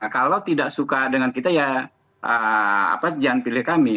kalau tidak suka dengan kita ya jangan pilih kami